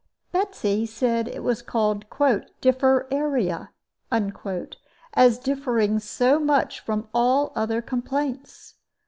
Betsy said it was called "Differeria," as differing so much from all other complaints.